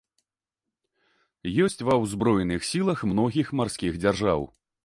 Ёсць ва ўзброеных сілах многіх марскіх дзяржаў.